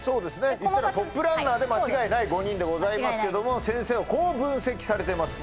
言ったらトップランナーで間違いない５人ですけど先生はこう分析されてます